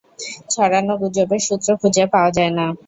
ছড়ানো গুজবের সূত্র খুঁজে পাওয়া যায় না।